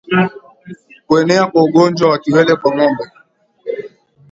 Kuenea kwa ugonjwa wa kiwele kwa ngombe